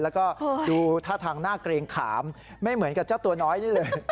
แล้วก็ดูท่าทางน่าเกรงขามไม่เหมือนกับเจ้าตัวน้อยนี่เลย